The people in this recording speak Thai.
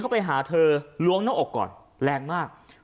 ไปหาเธอล้วงในงั้นและเธอกลีกนะ